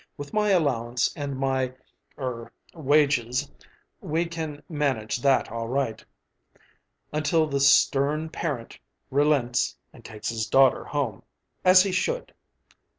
With my allowance and my er wages (!) we can manage that all right until "the stern parent" relents and takes his daughter home as he should!